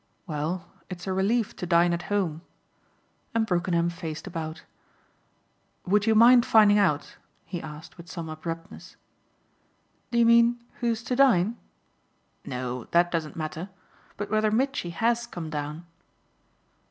"Well, it's a relief to dine at home" and Brookenham faced about. "Would you mind finding out?" he asked with some abruptness. "Do you mean who's to dine?" "No, that doesn't matter. But whether Mitchy HAS come down."